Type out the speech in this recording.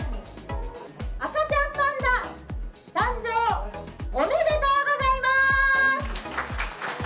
赤ちゃんパンダ誕生、おめでとうございまーす。